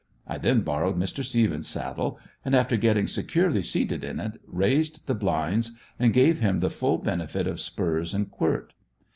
I then borrowed Mr. Stephens' saddle, and after getting securely seated in it, raised the blinds and gave him the full benefit of spurs and quirt.